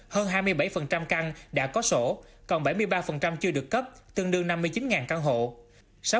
hơn hai mươi bảy căn đã có sổ còn bảy mươi ba chưa được cấp tương đương năm mươi chín căn hộ